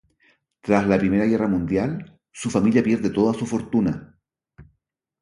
Tras la Primera Guerra Mundial su familia pierde toda su fortuna.